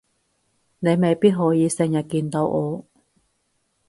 你未必可以成日見到我